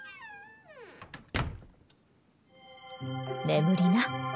眠りな。